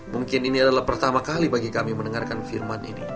mungkin ini adalah pertama kali bagi kami mendengarkan firman ini